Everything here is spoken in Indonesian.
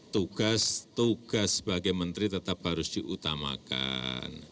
tugas tugas sebagai menteri tetap harus diutamakan